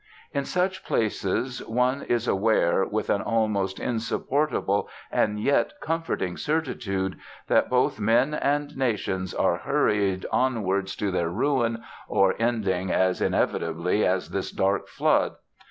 In such places, one is aware, with an almost insupportable and yet comforting certitude, that both men and nations are hurried onwards to their ruin or ending as inevitably as this dark flood.